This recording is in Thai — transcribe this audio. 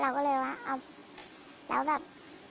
เราก็เลยว่าเอาแล้วแบบ